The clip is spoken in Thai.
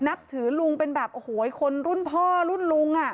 นับถือลุงเป็นแบบโอ้โหคนรุ่นพ่อรุ่นลุง